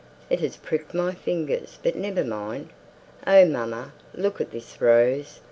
It has pricked my fingers, but never mind. Oh, mamma, look at this rose!